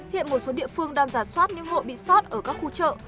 hiện một số địa phương đang giả soát những hộ bị soát ở các khu trợ